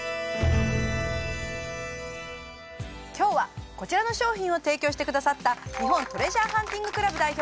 今日はこちらの商品を提供してくださった日本トレジャーハンティング・クラブ代表